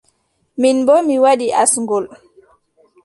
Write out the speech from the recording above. Min boo mi waɗi asngol.